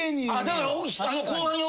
だから。